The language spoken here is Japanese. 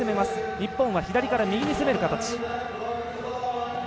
日本は、左から右に攻める形。